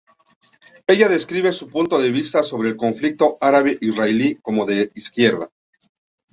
Ella describe su punto de vista sobre el conflicto árabe-israelí como de izquierda.